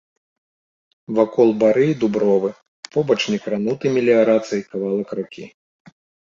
Вакол бары і дубровы, побач некрануты меліярацыяй кавалак ракі.